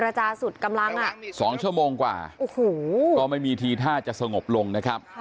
จาสุดกำลังอ่ะ๒ชั่วโมงกว่าโอ้โหก็ไม่มีทีท่าจะสงบลงนะครับ